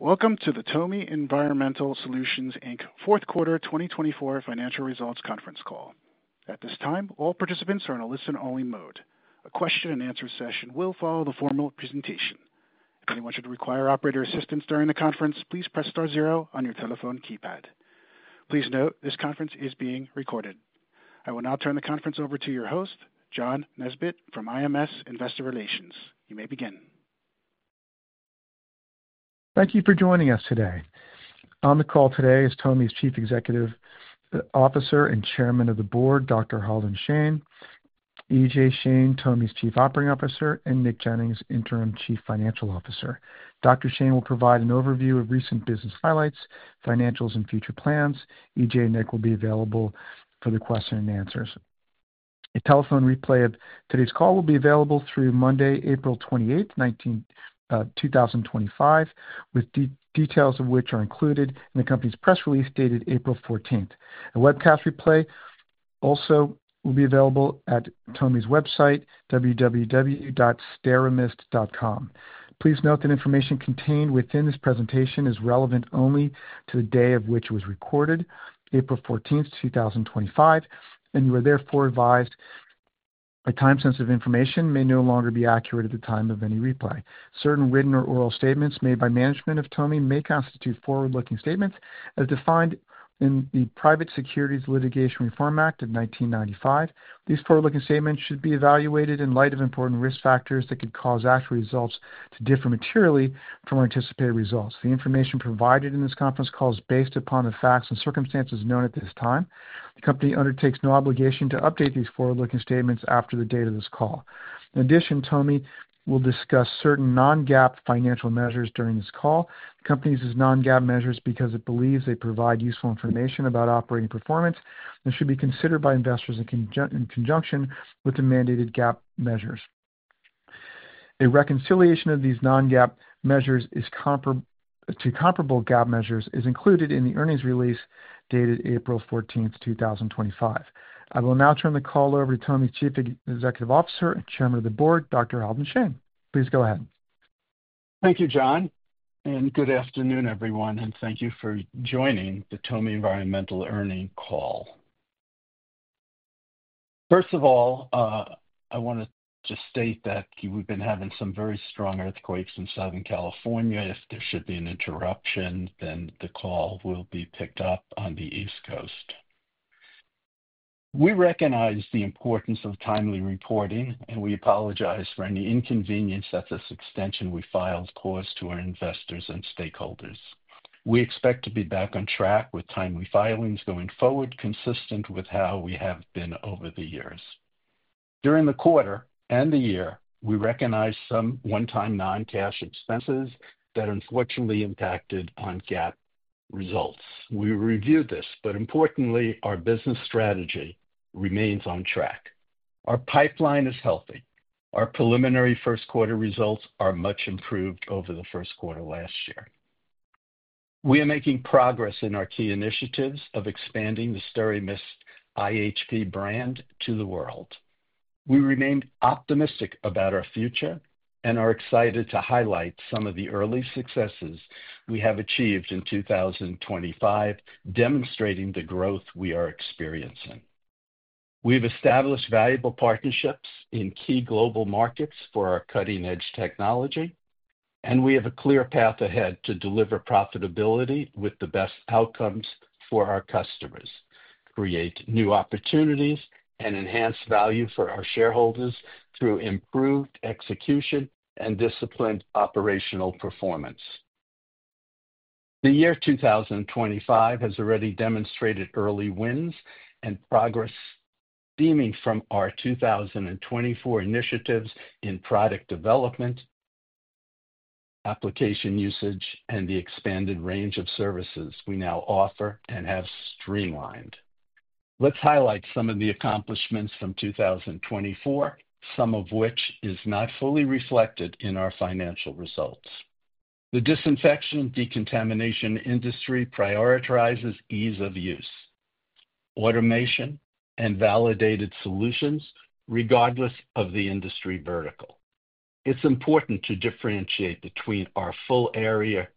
Greetings. Welcome to the TOMI Environmental Solutions, Inc Fourth Quarter 2024 Financial Results Conference Call. At this time, all participants are in a listen-only mode. A question-and-answer session will follow the formal presentation. If anyone should require operator assistance during the conference, please press star zero on your telephone keypad. Please note this conference is being recorded. I will now turn the conference over to your host, John Nesbett, from IMS Investor Relations. You may begin. Thank you for joining us today. On the call today is TOMI's Chief Executive Officer and Chairman of the Board, Dr. Halden Shane, EJ Shane; TOMI's Chief Operating Officer; and Nick Jennings, Interim Chief Financial Officer. Dr. Shane will provide an overview of recent business highlights, financials, and future plans. EJ and Nick will be available for the question and answer session. A telephone replay of today's call will be available through Monday, April 28th, 2025, with details of which are included in the company's press release dated April 14th. A webcast replay also will be available at TOMI's website, www.steramist.com. Please note that information contained within this presentation is relevant only to the day of which it was recorded, April 14, 2025, and you are therefore advised that time-sensitive information may no longer be accurate at the time of any replay. Certain written or oral statements made by management of TOMI may constitute forward-looking statements, as defined in the Private Securities Litigation Reform Act of 1995. These forward-looking statements should be evaluated in light of important risk factors that could cause actual results to differ materially from anticipated results. The information provided in this conference call is based upon the facts and circumstances known at this time. The company undertakes no obligation to update these forward-looking statements after the date of this call. In addition, TOMI will discuss certain non-GAAP financial measures during this call. The company uses non-GAAP measures because it believes they provide useful information about operating performance and should be considered by investors in conjunction with the mandated GAAP measures. A reconciliation of these non-GAAP measures to comparable GAAP measures is included in the earnings release dated April 14th, 2025. I will now turn the call over to TOMI's Chief Executive Officer and Chairman of the Board, Dr. Halden Shane. Please go ahead. Thank you, John, and good afternoon, everyone, and thank you for joining the TOMI Environmental earning call. First of all, I want to just state that we've been having some very strong earthquakes in Southern California. If there should be an interruption, then the call will be picked up on the East Coast. We recognize the importance of timely reporting, and we apologize for any inconvenience that this extension we filed caused to our investors and stakeholders. We expect to be back on track with timely filings going forward, consistent with how we have been over the years. During the quarter and the year, we recognize some one-time non-cash expenses that unfortunately impacted on GAAP results. We reviewed this, but importantly, our business strategy remains on track. Our pipeline is healthy. Our preliminary first-quarter results are much improved over the first quarter last year. We are making progress in our key initiatives of expanding the SteraMist iHP brand to the world. We remain optimistic about our future and are excited to highlight some of the early successes we have achieved in 2025, demonstrating the growth we are experiencing. We've established valuable partnerships in key global markets for our cutting-edge technology, and we have a clear path ahead to deliver profitability with the best outcomes for our customers, create new opportunities, and enhance value for our shareholders through improved execution and disciplined operational performance. The year 2025 has already demonstrated early wins and progress stemming from our 2024 initiatives in product development, application usage, and the expanded range of services we now offer and have streamlined. Let's highlight some of the accomplishments from 2024, some of which are not fully reflected in our financial results. The disinfection and decontamination industry prioritizes ease of use, automation, and validated solutions regardless of the industry vertical. It's important to differentiate between our full-area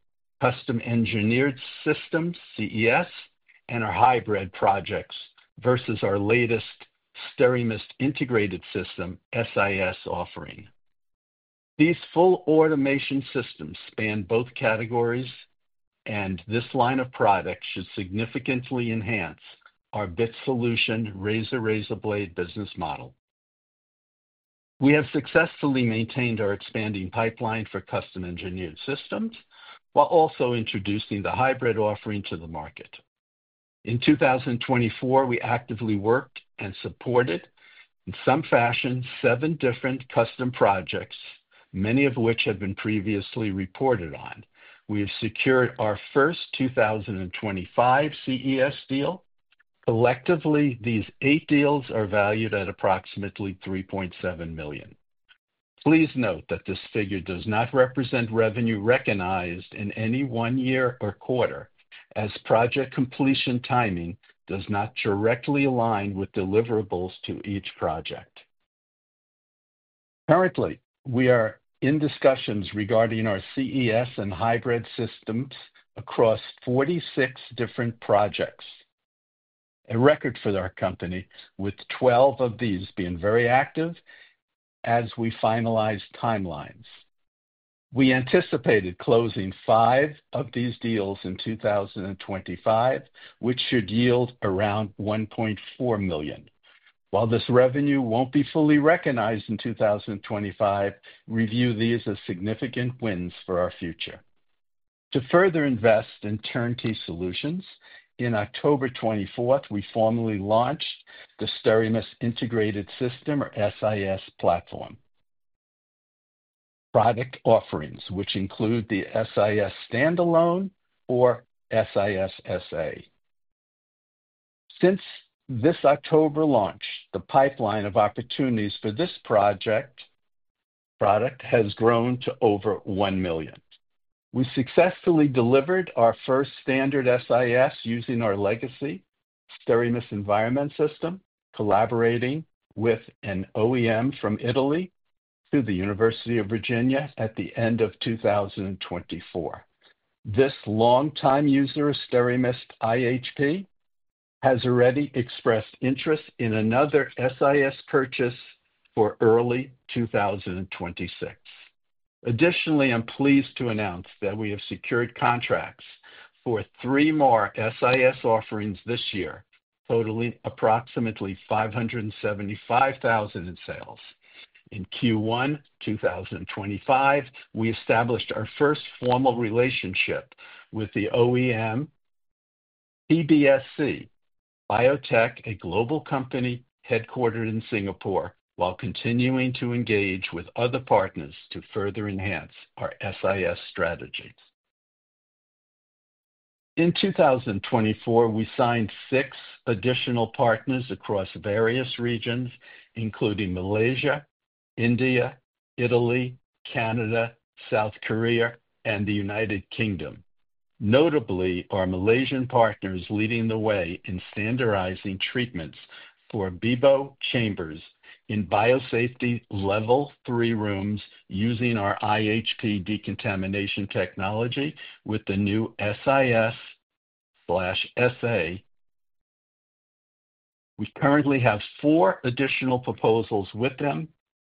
custom-engineered systems, CES, and our hybrid projects versus our latest SteraMist Integrated System, SIS, offering. These full automation systems span both categories, and this line of product should significantly enhance our BIT Solution razor/razor blade business model. We have successfully maintained our expanding pipeline for custom-engineered systems while also introducing the hybrid offering to the market. In 2024, we actively worked and supported, in some fashion, seven different custom projects, many of which have been previously reported on. We have secured our first 2025 CES deal. Collectively, these eight deals are valued at approximately $3.7 million. Please note that this figure does not represent revenue recognized in any one year or quarter, as project completion timing does not directly align with deliverables to each project. Currently, we are in discussions regarding our CES and hybrid systems across 46 different projects, a record for our company, with 12 of these being very active as we finalize timelines. We anticipated closing five of these deals in 2025, which should yield around $1.4 million. While this revenue won't be fully recognized in 2025, we view these as significant wins for our future. To further invest in turnkey solutions, on October 24th, we formally launched the SteraMist Integrated System, or SIS, platform. Product offerings, which include the SIS-Standalone, or SIS-SA. Since this October launch, the pipeline of opportunities for this product has grown to over $1 million. We successfully delivered our first standard SIS using our legacy SteraMist Environment System, collaborating with an OEM from Italy to the University of Virginia at the end of 2024. This longtime user of SteraMist iHP has already expressed interest in another SIS purchase for early 2026. Additionally, I'm pleased to announce that we have secured contracts for three more SIS offerings this year, totaling approximately $575,000 in sales. In Q1 2025, we established our first formal relationship with the OEM PBSC Biotech, a global company headquartered in Singapore, while continuing to engage with other partners to further enhance our SIS strategy. In 2024, we signed six additional partners across various regions, including Malaysia, India, Italy, Canada, South Korea, and the United Kingdom. Notably, our Malaysian partners are leading the way in standardizing treatments for BIBO chambers in biosafety level three rooms using our iHP decontamination technology with the new SIS-SA. We currently have four additional proposals with them,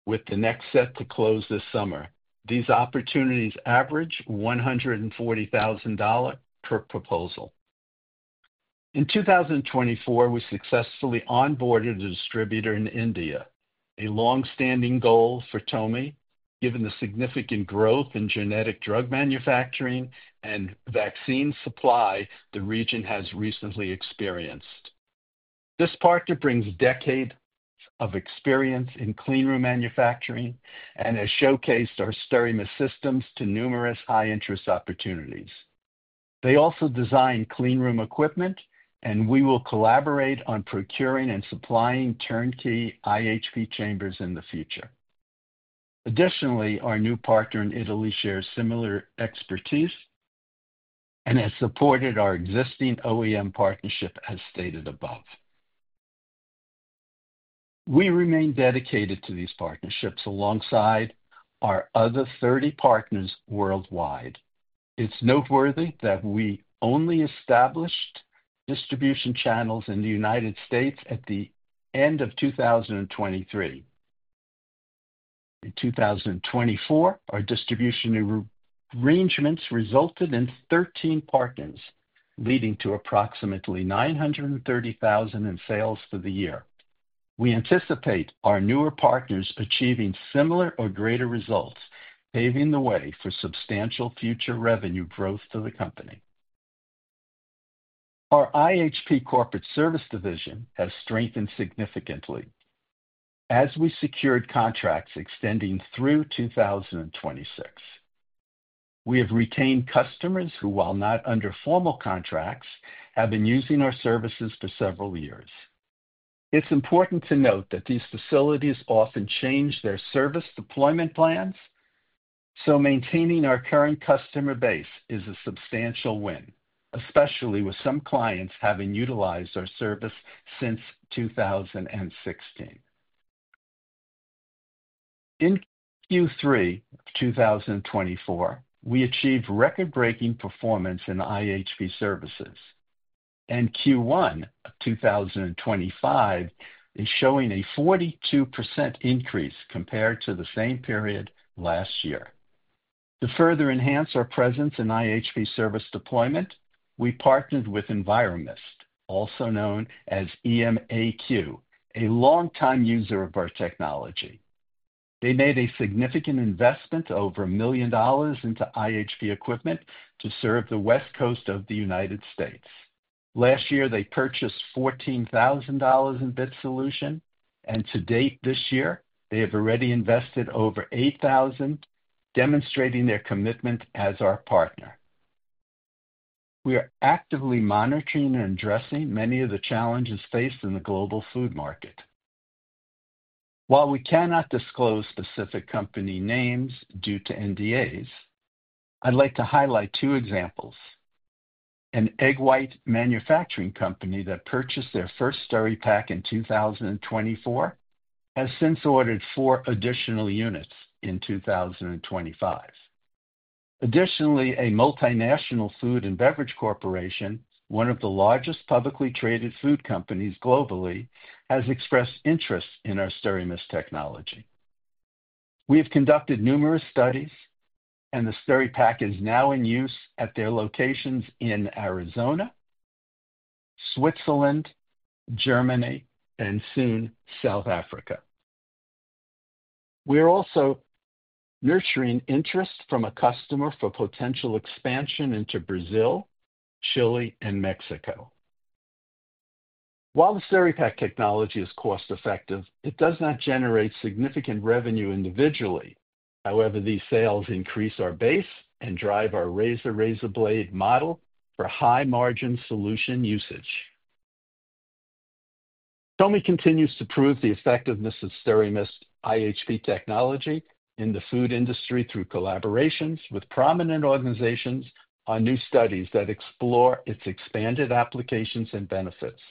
with the next set to close this summer. These opportunities average $140,000 per proposal. In 2024, we successfully onboarded a distributor in India, a long-standing goal for TOMI, given the significant growth in genetic drug manufacturing and vaccine supply the region has recently experienced. This partner brings decades of experience in cleanroom manufacturing and has showcased our SteraMist systems to numerous high-interest opportunities. They also design cleanroom equipment, and we will collaborate on procuring and supplying turnkey iHP chambers in the future. Additionally, our new partner in Italy shares similar expertise and has supported our existing OEM partnership, as stated above. We remain dedicated to these partnerships alongside our other 30 partners worldwide. It is noteworthy that we only established distribution channels in the United States at the end of 2023. In 2024, our distribution arrangements resulted in 13 partners, leading to approximately $930,000 in sales for the year. We anticipate our newer partners achieving similar or greater results, paving the way for substantial future revenue growth for the company. Our iHP corporate service division has strengthened significantly as we secured contracts extending through 2026. We have retained customers who, while not under formal contracts, have been using our services for several years. It's important to note that these facilities often change their service deployment plans, so maintaining our current customer base is a substantial win, especially with some clients having utilized our service since 2016. In Q3 of 2024, we achieved record-breaking performance in iHP services, and Q1 of 2025 is showing a 42% increase compared to the same period last year. To further enhance our presence in iHP service deployment, we partnered with Enviro-Mist, also known as EMAQ, a longtime user of our technology. They made a significant investment of over $1 million into iHP equipment to serve the West Coast of the United States. Last year, they purchased $14,000 in BIT Solution, and to date this year, they have already invested over $8,000, demonstrating their commitment as our partner. We are actively monitoring and addressing many of the challenges faced in the global food market. While we cannot disclose specific company names due to NDAs, I'd like to highlight two examples. An egg white manufacturing company that purchased their first SteraPak in 2024 has since ordered four additional units in 2025. Additionally, a multinational food and beverage corporation, one of the largest publicly traded food companies globally, has expressed interest in our SteraMist technology. We have conducted numerous studies, and the SteraPak is now in use at their locations in Arizona, Switzerland, Germany, and soon South Africa. We are also nurturing interest from a customer for potential expansion into Brazil, Chile, and Mexico. While the SteraPak technology is cost-effective, it does not generate significant revenue individually. However, these sales increase our base and drive our razor/razor blade model for high-margin solution usage. TOMI continues to prove the effectiveness of SteraMist iHP technology in the food industry through collaborations with prominent organizations on new studies that explore its expanded applications and benefits.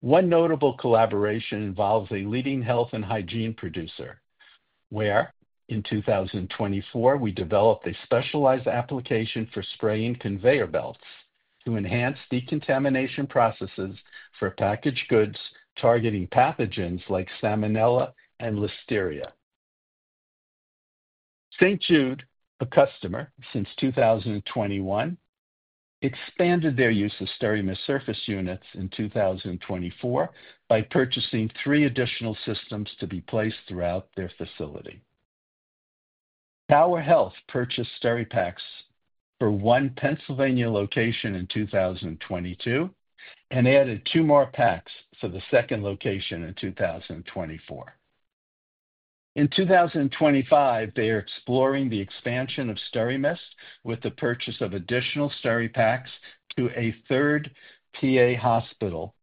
One notable collaboration involves a leading health and hygiene producer where, in 2024, we developed a specialized application for spraying conveyor belts to enhance decontamination processes for packaged goods targeting pathogens like Salmonella and Listeria. St. Jude, a customer since 2021, expanded their use of SteraMist Surface Units in 2024 by purchasing three additional systems to be placed throughout their facility. Power Health purchased SteraPaks for one Pennsylvania location in 2022 and added two more packs for the second location in 2024. In 2025, they are exploring the expansion of SteraMist with the purchase of additional SteraPaks to a third Pennsylvania hospital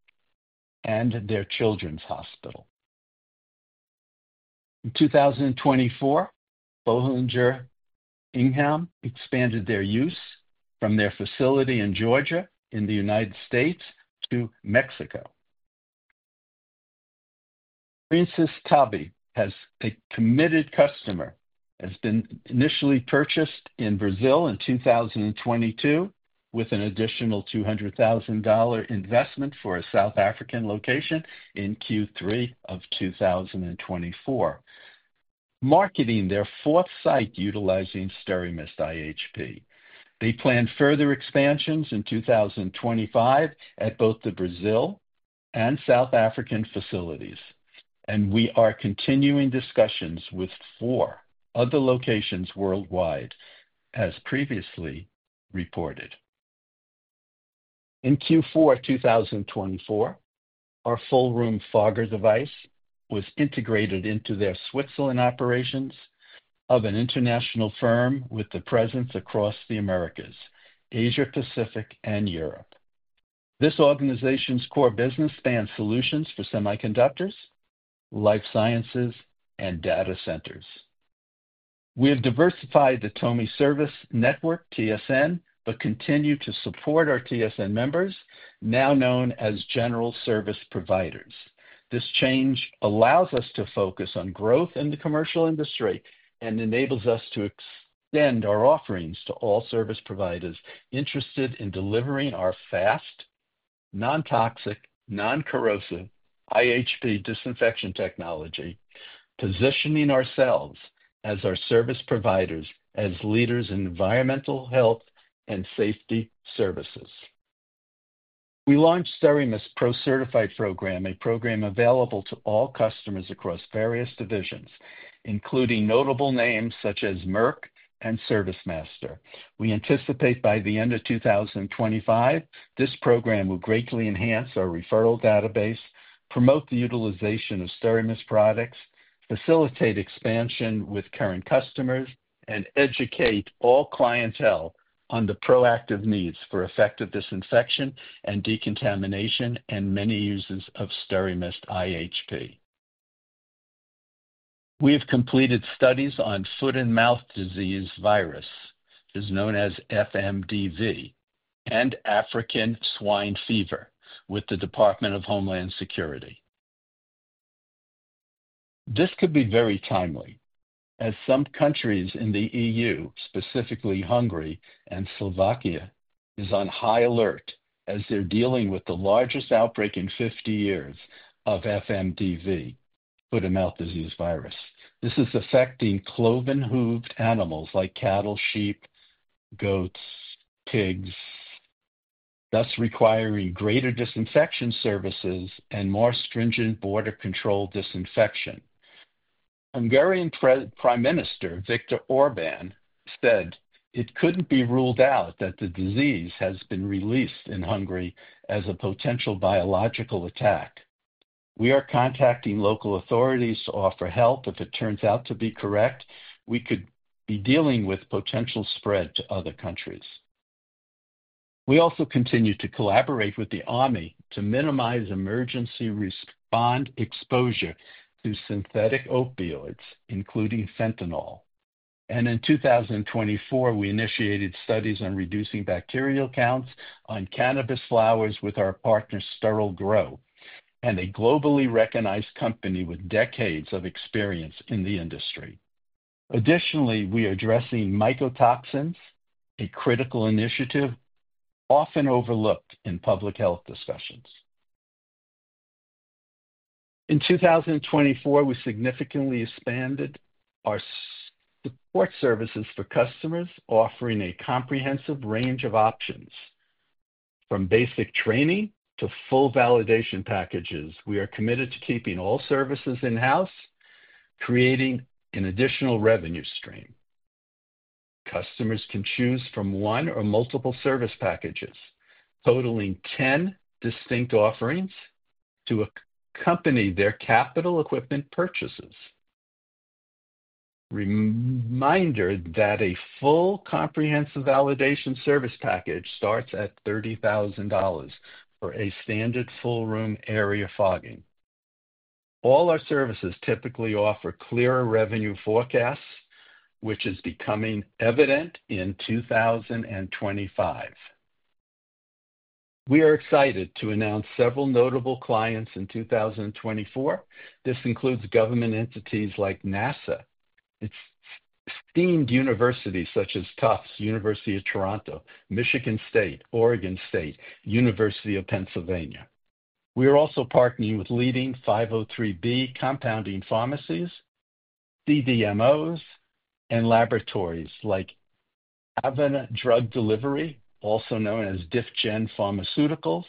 and their children's hospital. In 2024, Bohlinger Ingham expanded their use from their facility in Georgia in the United States to Mexico. Fresenius Kabi has a committed customer, has been initially purchased in Brazil in 2022 with an additional $200,000 investment for a South African location in Q3 of 2024, marketing their fourth site utilizing SteraMist iHP. They plan further expansions in 2025 at both the Brazil and South African facilities, and we are continuing discussions with four other locations worldwide, as previously reported. In Q4 2024, our full-room fogger device was integrated into their Switzerland operations of an international firm with the presence across the Americas, Asia-Pacific, and Europe. This organization's core business spans solutions for semiconductors, life sciences, and data centers. We have diversified the TOMI Service Network, TSN, but continue to support our TSN members, now known as general service providers. This change allows us to focus on growth in the commercial industry and enables us to extend our offerings to all service providers interested in delivering our fast, non-toxic, non-corrosive iHP disinfection technology, positioning ourselves as our service providers as leaders in environmental health and safety services. We launched SteraMist Pro Certified Program, a program available to all customers across various divisions, including notable names such as Merck and ServiceMaster. We anticipate by the end of 2025, this program will greatly enhance our referral database, promote the utilization of SteraMist products, facilitate expansion with current customers, and educate all clientele on the proactive needs for effective disinfection and decontamination and many uses of SteraMist iHP. We have completed studies on foot and mouth disease virus, known as FMDV, and African swine fever with the Department of Homeland Security. This could be very timely, as some countries in the EU, specifically Hungary and Slovakia, are on high alert as they're dealing with the largest outbreak in 50 years of FMDV, foot and mouth disease virus. This is affecting cloven-hoofed animals like cattle, sheep, goats, pigs, thus requiring greater disinfection services and more stringent border control disinfection. Hungarian Prime Minister, Viktor Orbán, said it couldn't be ruled out that the disease has been released in Hungary as a potential biological attack. We are contacting local authorities to offer help. If it turns out to be correct, we could be dealing with potential spread to other countries. We also continue to collaborate with the Army to minimize emergency respond exposure to synthetic opioids, including fentanyl. In 2024, we initiated studies on reducing bacterial counts on cannabis flowers with our partner, Sterile Grow, and a globally recognized company with decades of experience in the industry. Additionally, we are addressing mycotoxins, a critical initiative often overlooked in public health discussions. In 2024, we significantly expanded our support services for customers, offering a comprehensive range of options. From basic training to full validation packages, we are committed to keeping all services in-house, creating an additional revenue stream. Customers can choose from one or multiple service packages, totaling 10 distinct offerings, to accompany their capital equipment purchases. Reminder that a full comprehensive validation service package starts at $30,000 for a standard full-room area fogging. All our services typically offer clearer revenue forecasts, which is becoming evident in 2025. We are excited to announce several notable clients in 2024. This includes government entities like NASA, esteemed universities such as Tufts, University of Toronto, Michigan State, Oregon State, and the University of Pennsylvania. We are also partnering with leading 503B compounding pharmacies, CDMOs, and laboratories like Aveva Drug Delivery, also known as DiffGen Pharmaceuticals,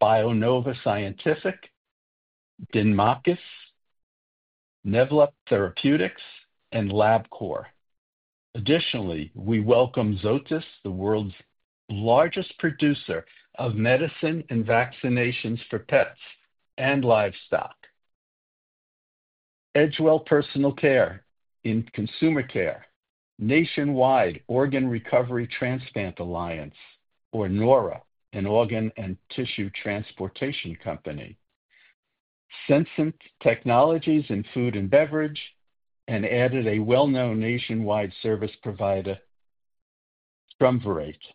Bionova Scientific, then Marcus, Nvelop Therapeutics, and Labcorp. Additionally, we welcome Zoetis, the world's largest producer of medicine and vaccinations for pets and livestock; Edgewell Personal Care in consumer care; Nationwide Organ Recovery Transplant Alliance, or NORA, an organ and tissue transportation company; Sensient Technologies in food and beverage; and added a well-known nationwide service provider, Triumvirate.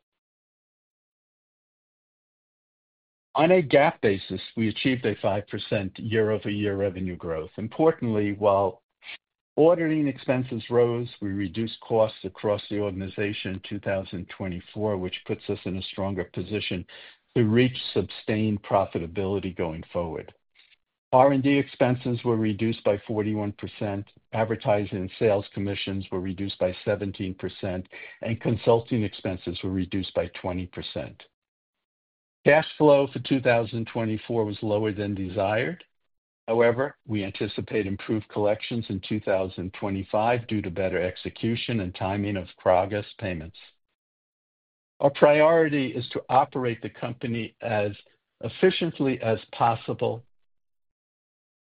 On a GAAP basis, we achieved a 5% year-over-year revenue growth. Importantly, while ordering expenses rose, we reduced costs across the organization in 2024, which puts us in a stronger position to reach sustained profitability going forward. R&D expenses were reduced by 41%, advertising and sales commissions were reduced by 17%, and consulting expenses were reduced by 20%. Cash flow for 2024 was lower than desired. However, we anticipate improved collections in 2025 due to better execution and timing of progress payments. Our priority is to operate the company as efficiently as possible,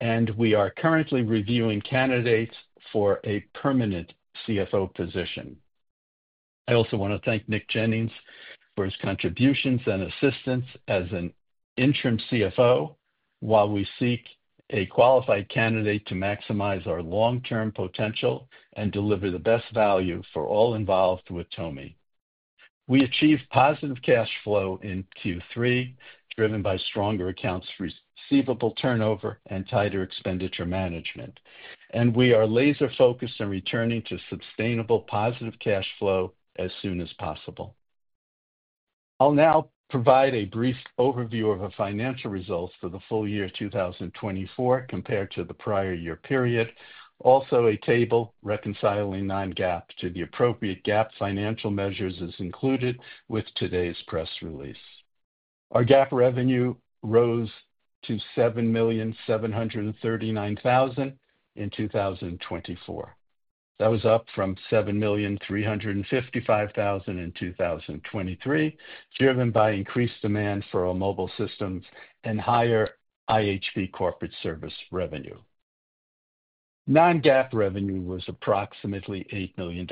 and we are currently reviewing candidates for a permanent CFO position. I also want to thank Nick Jennings for his contributions and assistance as an interim CFO while we seek a qualified candidate to maximize our long-term potential and deliver the best value for all involved with TOMI. We achieved positive cash flow in Q3, driven by stronger accounts receivable turnover and tighter expenditure management. We are laser-focused on returning to sustainable positive cash flow as soon as possible. I'll now provide a brief overview of our financial results for the full year 2024 compared to the prior year period. Also, a table reconciling non-GAAP to the appropriate GAAP financial measures is included with today's press release. Our GAAP revenue rose to $7,739,000 in 2024. That was up from $7,355,000 in 2023, driven by increased demand for our mobile systems and higher iHP corporate service revenue. Non-GAAP revenue was approximately $8 million,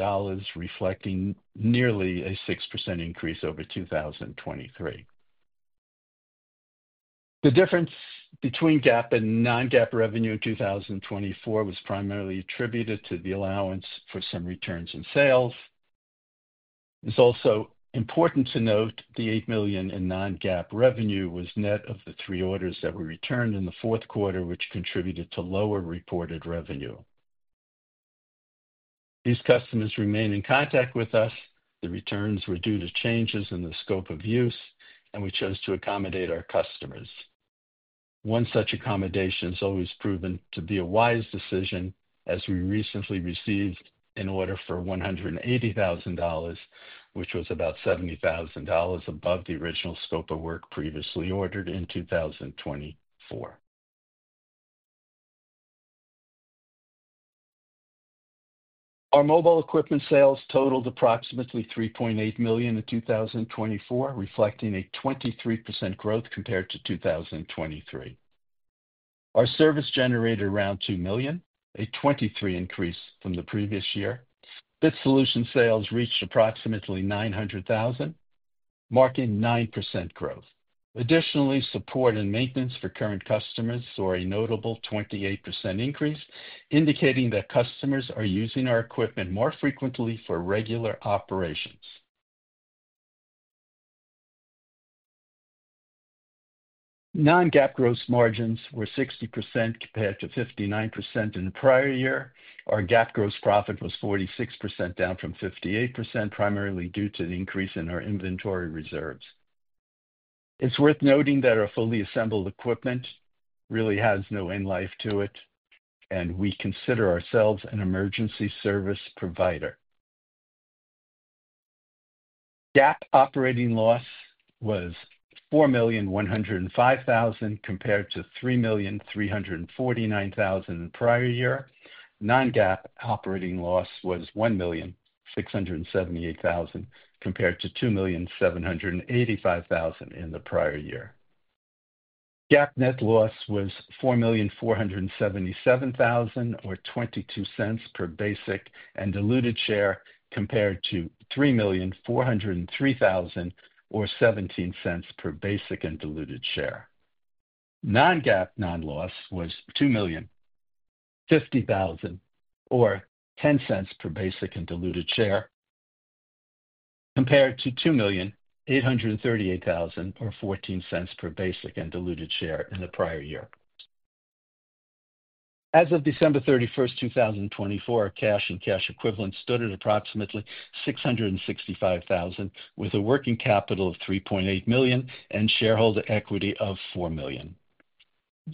reflecting nearly a 6% increase over 2023. The difference between GAAP and non-GAAP revenue in 2024 was primarily attributed to the allowance for some returns in sales. It's also important to note the $8 million in non-GAAP revenue was net of the three orders that were returned in the fourth quarter, which contributed to lower reported revenue. These customers remain in contact with us. The returns were due to changes in the scope of use, and we chose to accommodate our customers. One such accommodation has always proven to be a wise decision, as we recently received an order for $180,000, which was about $70,000 above the original scope of work previously ordered in 2024. Our mobile equipment sales totaled approximately $3.8 million in 2024, reflecting a 23% growth compared to 2023. Our service generated around $2 million, a 23% increase from the previous year. BIT Solution sales reached approximately $900,000, marking 9% growth. Additionally, support and maintenance for current customers saw a notable 28% increase, indicating that customers are using our equipment more frequently for regular operations. Non-GAAP gross margins were 60% compared to 59% in the prior year. Our GAAP gross profit was 46%, down from 58%, primarily due to the increase in our inventory reserves. It's worth noting that our fully assembled equipment really has no end life to it, and we consider ourselves an emergency service provider. GAAP operating loss was $4,105,000 compared to $3,349,000 in the prior year. Non-GAAP operating loss was $1,678,000 compared to $2,785,000 in the prior year. GAAP net loss was $4,477,000 or $0.22 per basic and diluted share compared to $3,403,000 or $0.17 per basic and diluted share. Non-GAAP net loss was $2,050,000 or $0.10 per basic and diluted share compared to $2,838,000 or $0.14 per basic and diluted share in the prior year. As of December 31st, 2024, our cash and cash equivalent stood at approximately $665,000, with a working capital of $3.8 million and shareholder equity of $4 million.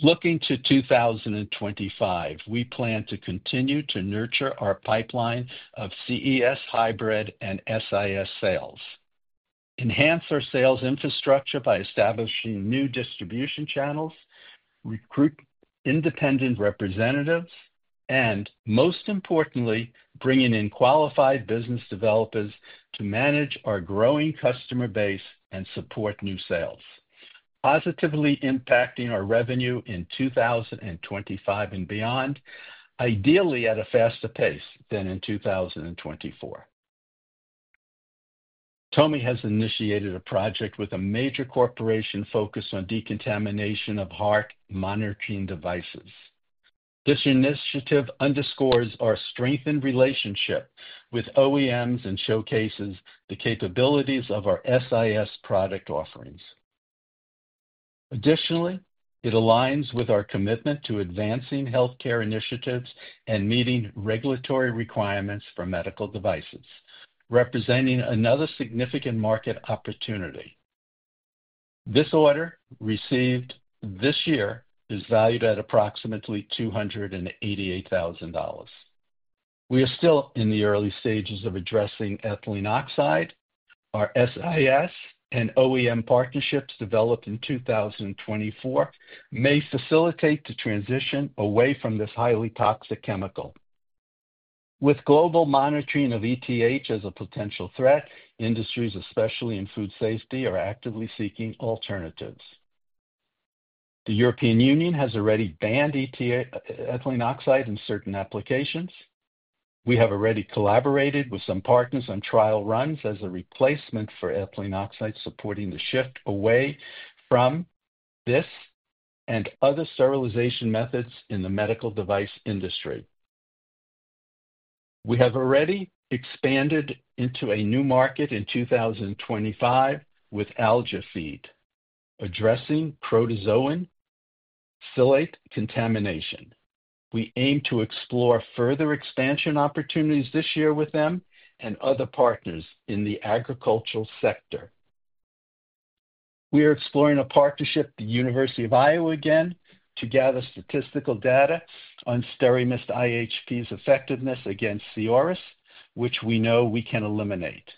Looking to 2025, we plan to continue to nurture our pipeline of CES hybrid and SIS sales, enhance our sales infrastructure by establishing new distribution channels, recruit independent representatives, and most importantly, bringing in qualified business developers to manage our growing customer base and support new sales, positively impacting our revenue in 2025 and beyond, ideally at a faster pace than in 2024. TOMI has initiated a project with a major corporation focused on decontamination of HARC monitoring devices. This initiative underscores our strengthened relationship with OEMs and showcases the capabilities of our SIS product offerings. Additionally, it aligns with our commitment to advancing healthcare initiatives and meeting regulatory requirements for medical devices, representing another significant market opportunity. This order received this year is valued at approximately $288,000. We are still in the early stages of addressing ethylene oxide. Our SIS and OEM partnerships developed in 2024 may facilitate the transition away from this highly toxic chemical. With global monitoring of ethylene oxide as a potential threat, industries, especially in food safety, are actively seeking alternatives. The European Union has already banned ethylene oxide in certain applications. We have already collaborated with some partners on trial runs as a replacement for ethylene oxide, supporting the shift away from this and other sterilization methods in the medical device industry. We have already expanded into a new market in 2025 with AlgaFeed, addressing protozoan phthalate contamination. We aim to explore further expansion opportunities this year with them and other partners in the agricultural sector. We are exploring a partnership with the University of Iowa again to gather statistical data on SteraMist iHP's effectiveness against C. auris, which we know we can eliminate.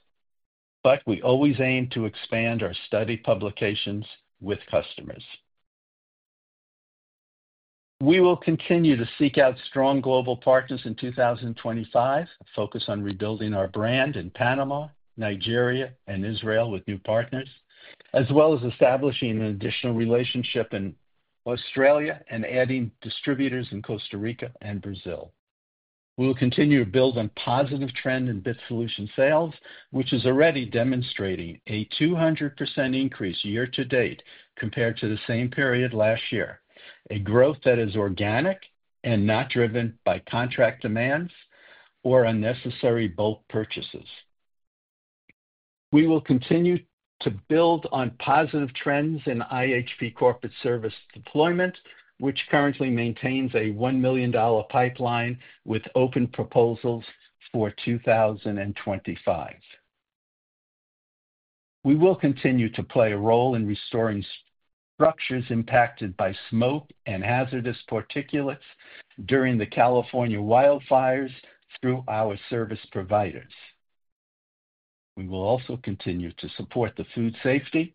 We always aim to expand our study publications with customers. We will continue to seek out strong global partners in 2025, focus on rebuilding our brand in Panama, Nigeria, and Israel with new partners, as well as establishing an additional relationship in Australia and adding distributors in Costa Rica and Brazil. We will continue to build on positive trend in BIT Solution sales, which is already demonstrating a 200% increase year to date compared to the same period last year, a growth that is organic and not driven by contract demands or unnecessary bulk purchases. We will continue to build on positive trends in iHP corporate service deployment, which currently maintains a $1 million pipeline with open proposals for 2025. We will continue to play a role in restoring structures impacted by smoke and hazardous particulates during the California wildfires through our service providers. We will also continue to support the food safety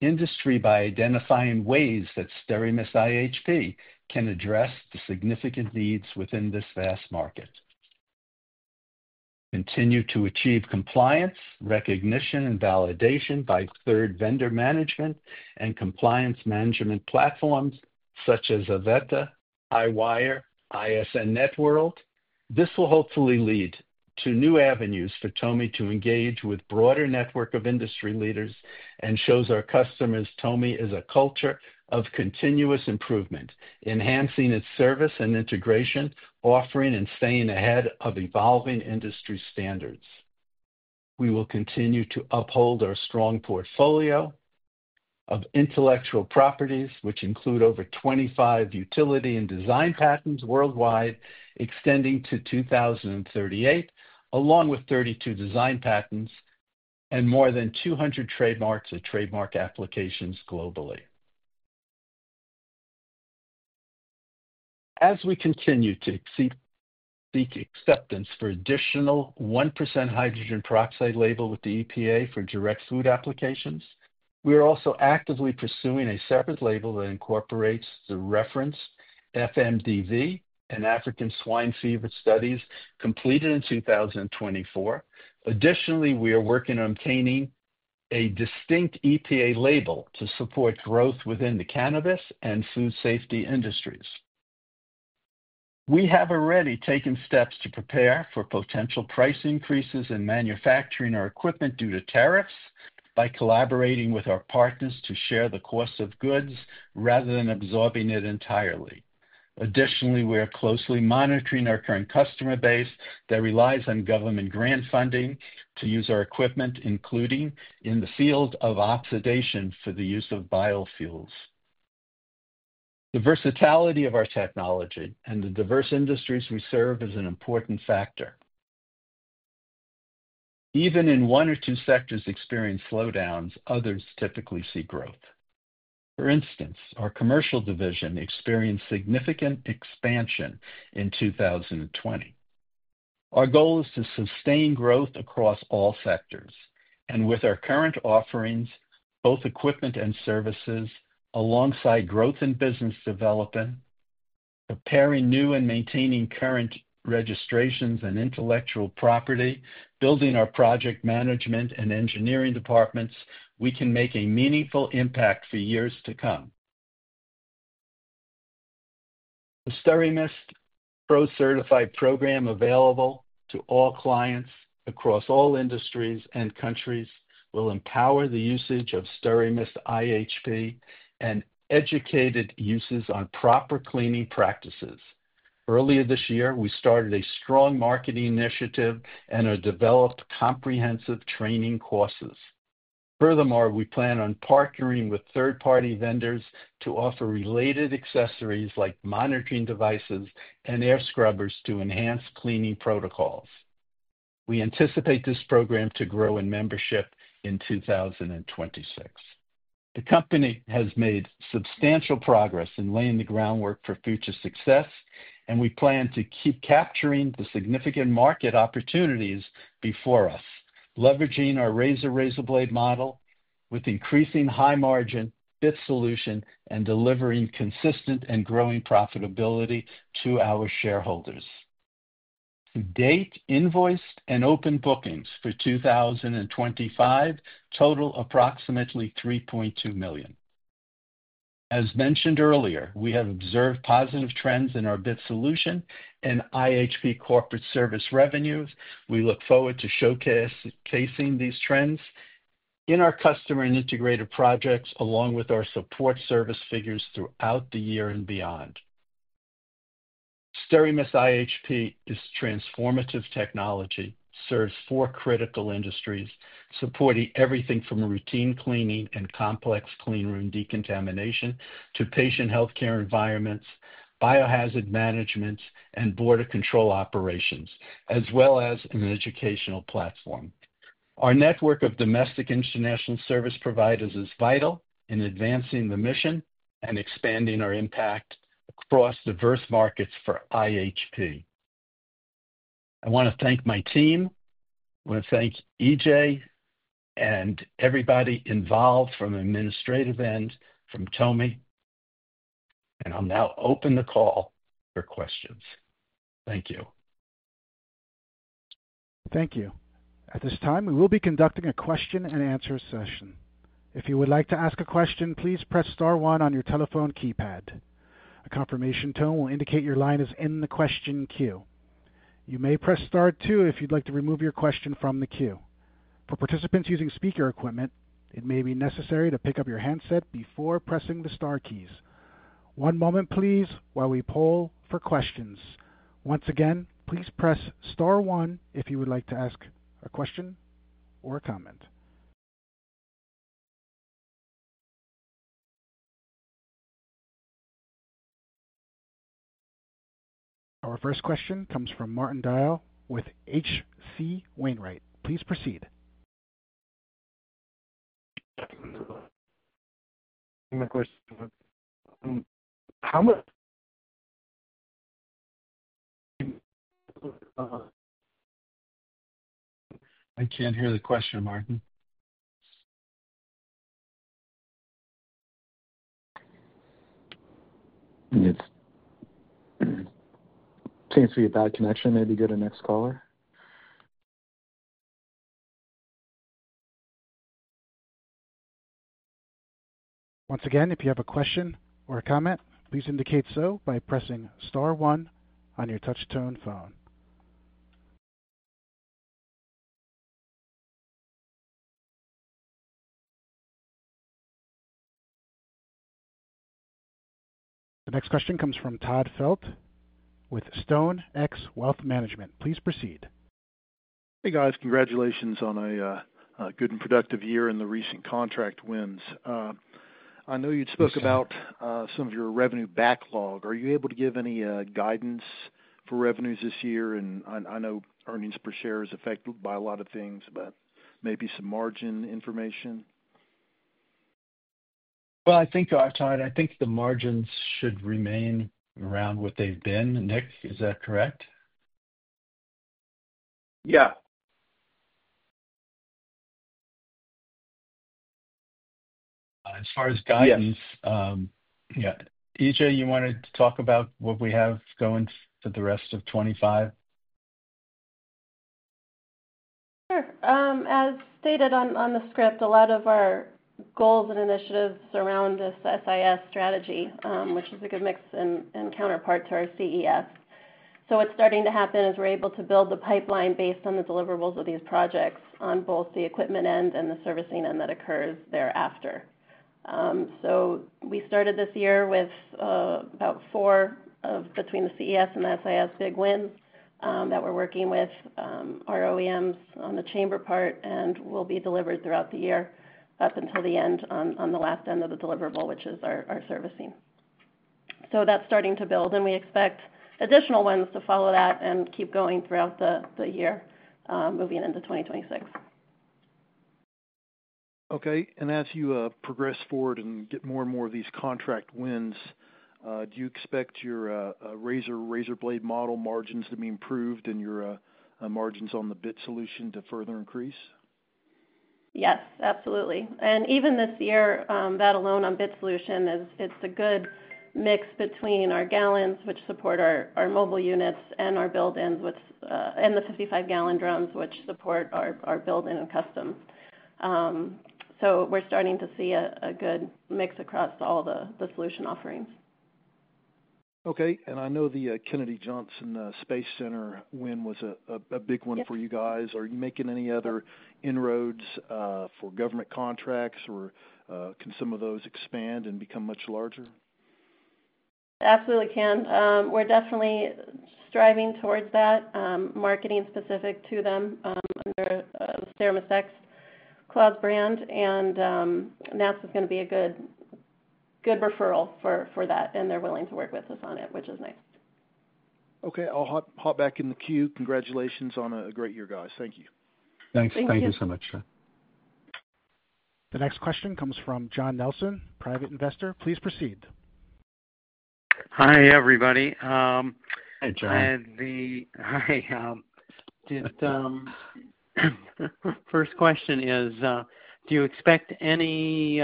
industry by identifying ways that SteraMist iHP can address the significant needs within this vast market, continue to achieve compliance recognition and validation by third vendor management and compliance management platforms such as Avetta, Highwire, ISNetworld. This will hopefully lead to new avenues for TOMI to engage with a broader network of industry leaders and shows our customers TOMI is a culture of continuous improvement, enhancing its service and integration, offering and staying ahead of evolving industry standards. We will continue to uphold our strong portfolio of intellectual properties, which include over 25 utility and design patents worldwide, extending to 2038, along with 32 design patents and more than 200 trademarks or trademark applications globally. As we continue to seek acceptance for additional 1% hydrogen peroxide label with the EPA for direct food applications, we are also actively pursuing a separate label that incorporates the reference FMDV and African swine fever studies completed in 2024. Additionally, we are working on obtaining a distinct EPA label to support growth within the cannabis and food safety industries. We have already taken steps to prepare for potential price increases in manufacturing our equipment due to tariffs by collaborating with our partners to share the cost of goods rather than absorbing it entirely. Additionally, we are closely monitoring our current customer base that relies on government grant funding to use our equipment, including in the field of oxidation for the use of biofuels. The versatility of our technology and the diverse industries we serve is an important factor. Even if one or two sectors experienced slowdowns, others typically see growth. For instance, our commercial division experienced significant expansion in 2020. Our goal is to sustain growth across all sectors, and with our current offerings, both equipment and services, alongside growth in business development, preparing new and maintaining current registrations and intellectual property, building our project management and engineering departments, we can make a meaningful impact for years to come. The SteraMist Pro Certified Program available to all clients across all industries and countries will empower the usage of SteraMist iHP and educate users on proper cleaning practices. Earlier this year, we started a strong marketing initiative and have developed comprehensive training courses. Furthermore, we plan on partnering with third-party vendors to offer related accessories like monitoring devices and air scrubbers to enhance cleaning protocols. We anticipate this program to grow in membership in 2026. The company has made substantial progress in laying the groundwork for future success, and we plan to keep capturing the significant market opportunities before us, leveraging our razor-blade model with increasing high-margin BIT Solution and delivering consistent and growing profitability to our shareholders. To date, invoiced and open bookings for 2025 total approximately $3.2 million. As mentioned earlier, we have observed positive trends in our BIT solution and iHP corporate service revenues. We look forward to showcasing these trends in our customer and integrator projects, along with our support service figures throughout the year and beyond. SteraMist iHP is transformative technology, serves four critical industries, supporting everything from routine cleaning and complex cleanroom decontamination to patient healthcare environments, biohazard management, and border control operations, as well as an educational platform. Our network of domestic and international service providers is vital in advancing the mission and expanding our impact across diverse markets for iHP. I want to thank my team. I want to thank EJ and everybody involved from the administrative end, from TOMI. I'll now open the call for questions. Thank you. Thank you. At this time, we will be conducting a question and answer session. If you would like to ask a question, please press star one on your telephone keypad. A confirmation tone will indicate your line is in the question queue. You may press star two if you'd like to remove your question from the queue. For participants using speaker equipment, it may be necessary to pick up your handset before pressing the star keys. One moment, please, while we poll for questions. Once again, please press star one if you would like to ask a question or a comment. Our first question comes from Martin Dial with H.C. Wainwright. Please proceed. I can't hear the question, Martin. It seems to be a bad connection. Maybe get a next caller. Once again, if you have a question or a comment, please indicate so by pressing star one on your touch-tone phone. The next question comes from Todd Felte with StoneX Wealth Management. Please proceed. Hey, guys. Congratulations on a good and productive year and the recent contract wins. I know you spoke about some of your revenue backlog. Are you able to give any guidance for revenues this year? I know earnings per share is affected by a lot of things, but maybe some margin information. I think, Todd, I think the margins should remain around what they've been. Nick, is that correct? Yeah. As far as guidance, yeah. EJ, you wanted to talk about what we have going for the rest of 2025? Sure. As stated on the script, a lot of our goals and initiatives surround this SIS strategy, which is a good mix and counterpart to our CES. What's starting to happen is we're able to build the pipeline based on the deliverables of these projects on both the equipment end and the servicing end that occurs thereafter. We started this year with about four between the CES and the SIS big wins that we're working with our OEMs on the chamber part and will be delivered throughout the year up until the end on the last end of the deliverable, which is our servicing. That's starting to build, and we expect additional ones to follow that and keep going throughout the year moving into 2026. Okay. As you progress forward and get more and more of these contract wins, do you expect your razor blade model margins to be improved and your margins on the BIT Solution to further increase? Yes, absolutely. Even this year, that alone on BIT Solution, it's a good mix between our gallons, which support our mobile units, and our build-ins with the 55-gallon drums, which support our build-in and custom. We're starting to see a good mix across all the solution offerings. Okay. I know the Kennedy Space Center win was a big one for you guys. Are you making any other inroads for government contracts, or can some of those expand and become much larger? Absolutely can. We're definitely striving towards that, marketing specific to them under the SteraMist X Cloud brand. NASA is going to be a good referral for that, and they're willing to work with us on it, which is nice. Okay. I'll hop back in the queue. Congratulations on a great year, guys. Thank you. Thank you. Thank you so much, sir. The next question comes from John Nelson, private investor. Please proceed. Hi, everybody. Hi, John. First question is, do you expect any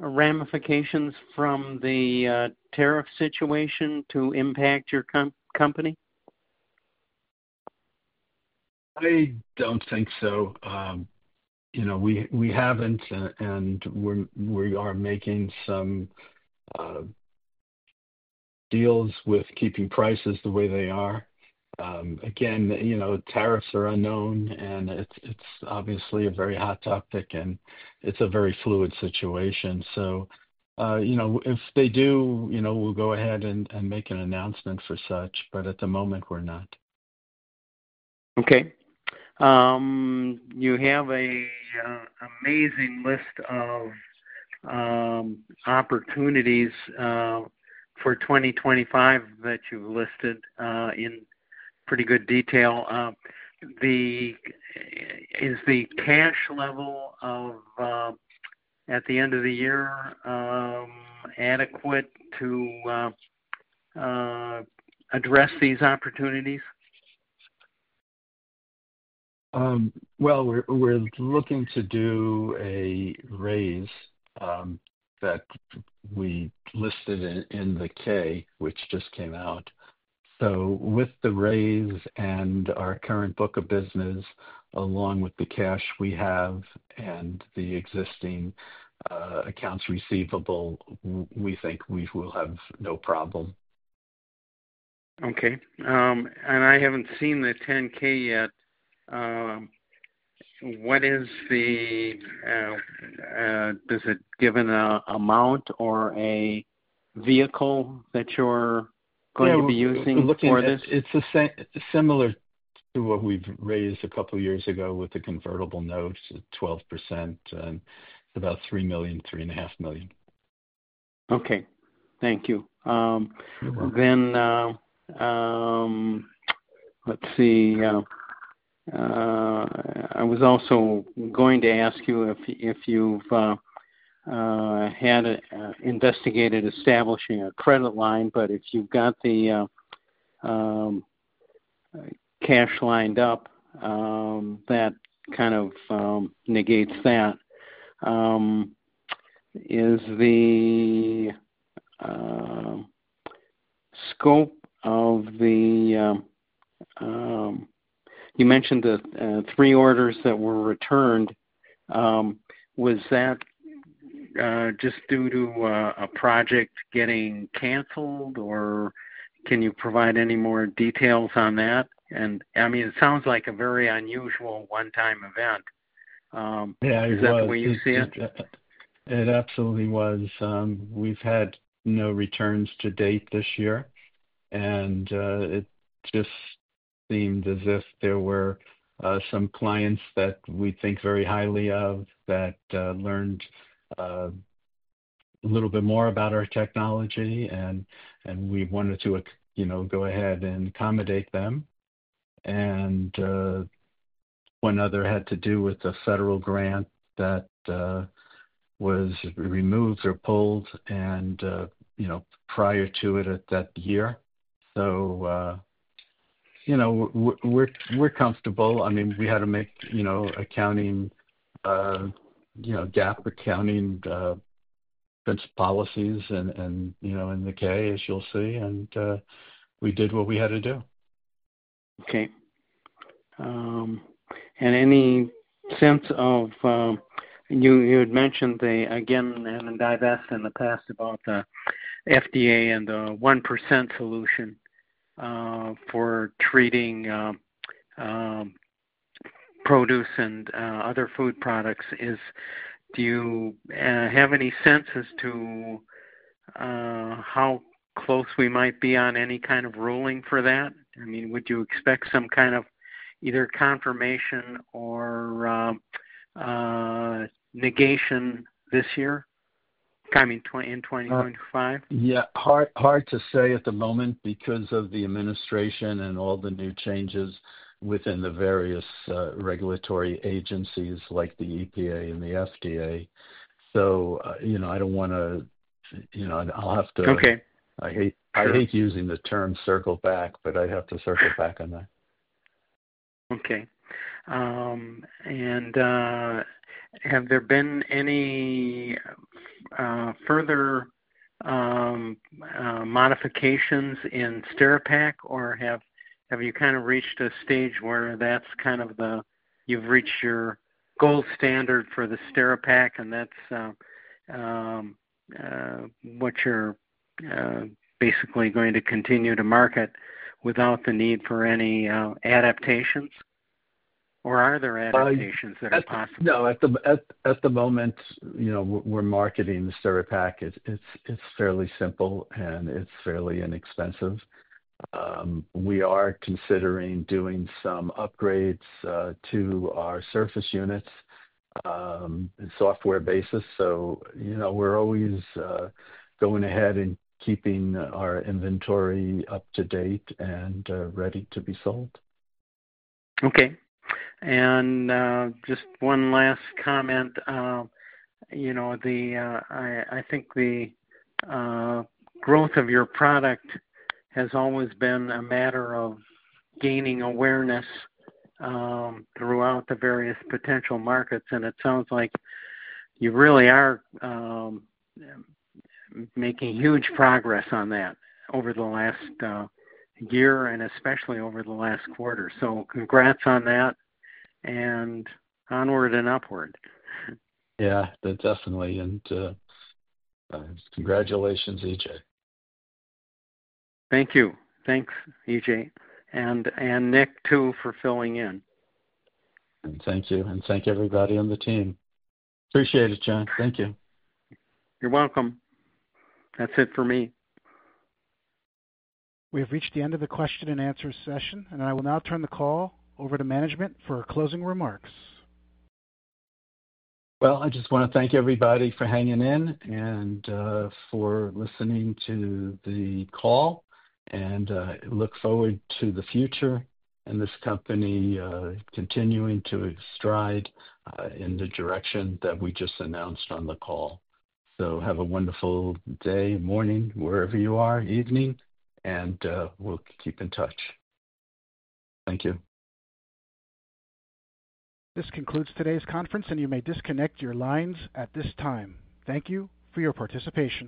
ramifications from the tariff situation to impact your company? I don't think so. We haven't, and we are making some deals with keeping prices the way they are. Again, tariffs are unknown, and it's obviously a very hot topic, and it's a very fluid situation. If they do, we'll go ahead and make an announcement for such, but at the moment, we're not. Okay. You have an amazing list of opportunities for 2025 that you've listed in pretty good detail. Is the cash level at the end of the year adequate to address these opportunities? We're looking to do a raise that we listed in the K, which just came out. With the raise and our current book of business, along with the cash we have and the existing accounts receivable, we think we will have no problem. Okay. I haven't seen the 10-K yet. Does it give an amount or a vehicle that you're going to be using for this? It's similar to what we've raised a couple of years ago with the convertible notes, 12%, and about $3 million-$3.5 million. Okay. Thank you. Let's see. I was also going to ask you if you've had investigated establishing a credit line, but if you've got the cash lined up, that kind of negates that. Is the scope of the, you mentioned the three orders that were returned. Was that just due to a project getting canceled, or can you provide any more details on that? I mean, it sounds like a very unusual one-time event. Is that the way you see it? It absolutely was. We've had no returns to date this year, and it just seemed as if there were some clients that we think very highly of that learned a little bit more about our technology, and we wanted to go ahead and accommodate them. One other had to do with a federal grant that was removed or pulled prior to it at that year. So we're comfortable. I mean, we had to make accounting GAAP accounting policies in the K, as you'll see, and we did what we had to do. Okay. Any sense of you had mentioned the, again, and I've asked in the past about the FDA and the 1% solution for treating produce and other food products. Do you have any sense as to how close we might be on any kind of ruling for that? I mean, would you expect some kind of either confirmation or negation this year, I mean, in 2025? Yeah. Hard to say at the moment because of the administration and all the new changes within the various regulatory agencies like the EPA and the FDA. I don't want to, I'll have to, I hate using the term circle back, but I'd have to circle back on that. Okay. Have there been any further modifications in SteraPak, or have you kind of reached a stage where you've reached your gold standard for the SteraPak, and that's what you're basically going to continue to market without the need for any adaptations? Are there adaptations that are possible? No. At the moment, we're marketing the SteraPak. It's fairly simple, and it's fairly inexpensive. We are considering doing some upgrades to our surface units and software basis. We're always going ahead and keeping our inventory up to date and ready to be sold. Okay. Just one last comment. I think the growth of your product has always been a matter of gaining awareness throughout the various potential markets, and it sounds like you really are making huge progress on that over the last year and especially over the last quarter. Congrats on that and onward and upward. Yeah. Definitely. And congratulations, EJ. Thank you. Thanks, EJ. And Nick, too, for filling in. Thank you. And thank everybody on the team. Appreciate it, John. Thank you. You're welcome. That's it for me. We have reached the end of the question and answer session, and I will now turn the call over to management for closing remarks. I just want to thank everybody for hanging in and for listening to the call, and look forward to the future and this company continuing to stride in the direction that we just announced on the call. Have a wonderful day, morning, wherever you are, evening, and we'll keep in touch. Thank you. This concludes today's conference, and you may disconnect your lines at this time. Thank you for your participation.